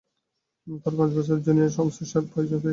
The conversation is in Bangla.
তাঁর পাঁচ বছরের জুনিয়র শমসের সাহেব পেয়েছেন।